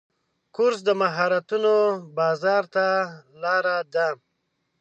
کورس د مهارتونو بازار ته لاره ده.